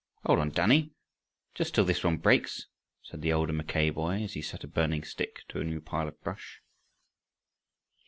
"Hold on, Danny, just till this one breaks," said the older Mackay boy, as he set a burning stick to a new pile of brush.